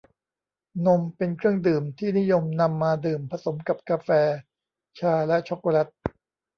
นม เป็นเครื่องดื่มที่นิยมนำมาดื่มผสมกับกาแฟ ชา และช็อคโกแล็ต